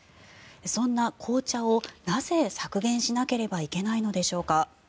そんな紅茶をなぜ削減しなければいけないのでしょうか。